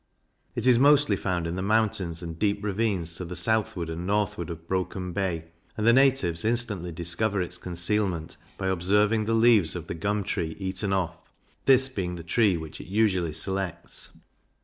It is mostly found in the mountains and deep ravines to the southward and northward of Broken Bay, and the natives instantly discover its concealment by observing the leaves of the Gum tree eaten off, this being the tree which it usually selects.